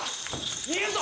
逃げるぞ！